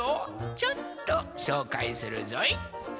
ちょっとしょうかいするぞい。